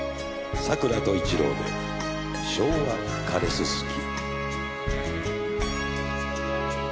さくらと一郎で『昭和枯れすゝき』。